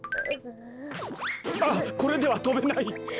あっこれではとべない。